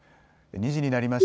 ２時になりました。